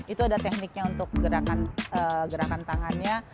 itu ada tekniknya untuk gerakan tangannya